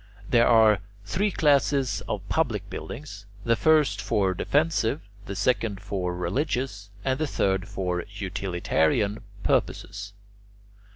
There are three classes of public buildings: the first for defensive, the second for religious, and the third for utilitarian purposes.